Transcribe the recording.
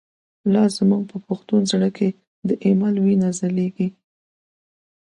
لاز موږ په پښتون زړه کی، ”دایمل” وینه چلیږی